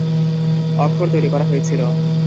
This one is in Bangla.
অক্ষর তৈরি করা হয়েছিল।